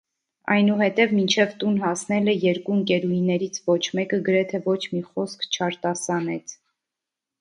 Այնուհետև մինչև տուն հասնելը երկու ընկերուհիներից ոչ մեկը գրեթե ոչ մի խոսք չարտասանեց: